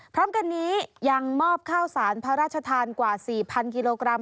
พร้อมกันนี้ยังมอบข้าวสารพระราชทานกว่า๔๐๐กิโลกรัม